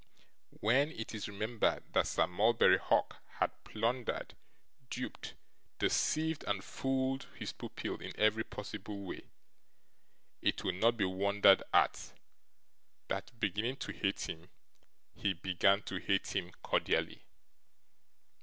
When it is remembered that Sir Mulberry Hawk had plundered, duped, deceived, and fooled his pupil in every possible way, it will not be wondered at, that, beginning to hate him, he began to hate him cordially.